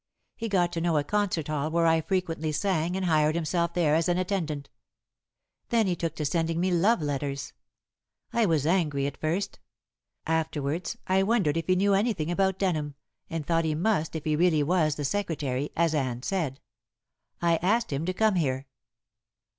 He got to know a concert hall where I frequently sang and hired himself there as an attendant. Then he took to sending me love letters. I was angry at first. Afterwards I wondered if he knew anything about Denham, and thought he must if he really was the secretary, as Anne said. I asked him to come here."